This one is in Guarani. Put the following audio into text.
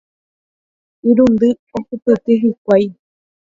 Irundy ohupyty hikuái.